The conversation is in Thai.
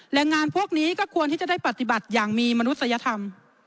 แรงงานพวกนี้ก็ควรที่จะได้ปฏิบัติอย่างมีมนุษยธรรม